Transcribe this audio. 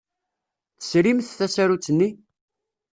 Tesrimt tasarut-nni?